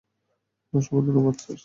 অসংখ্য ধন্যবাদ, স্যার।